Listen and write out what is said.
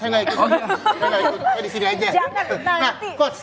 saya gak ikut gue disini aja jangan nah latih